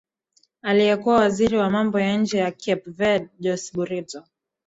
aliyekuwa waziri wa mambo ya nje ya cape vade jose brito